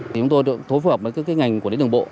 chúng tôi cũng thối phục với các ngành của lĩnh đường bộ